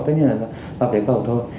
tất nhiên là do phế cầu thôi